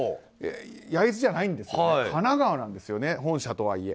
焼津じゃないんです神奈川なんです本社とはいえ。